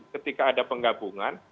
ketika ada penggabungan